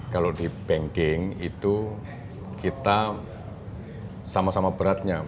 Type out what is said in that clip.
kalau di banking itu kita sama sama beratnya